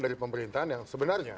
dari pemerintahan yang sebenarnya